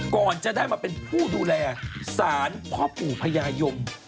ก่อนจะได้มาเป็นผู้ดูแลสารพ่อปู่พญายม